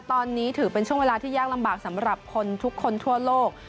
ตอนนี้ถือเป็นช่วงเวลาที่ยากลำบากสำหรับคนทุกคนทั่วโลก